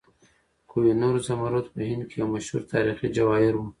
کوه نور زمرد په هند کې یو مشهور تاریخي جواهر و.